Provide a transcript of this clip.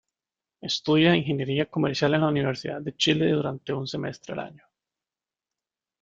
Estudia ingeniería comercial en la Universidad de Chile durante un semestre al año.